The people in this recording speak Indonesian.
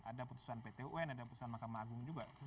ada putusan pt un ada putusan mahkamah agung juga